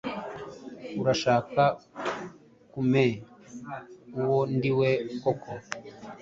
Urashaka kumea uwo ndiwe koko?